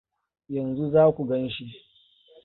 Yanzu za ku ganshi.